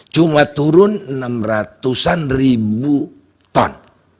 cuma turun enam ratusan ribu ton